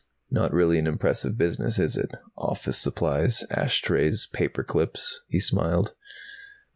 "Not really an impressive business, is it? Office supplies. Ashtrays, paper clips." He smiled.